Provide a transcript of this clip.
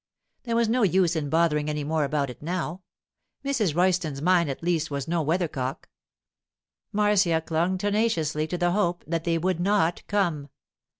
There was no use in bothering any more about it now; Mrs. Royston's mind at least was no weathercock. Marcia clung tenaciously to the hope that they would not come.